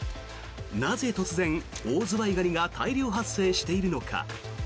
なぜ突然、オオズワイガニが大量発生しているのか。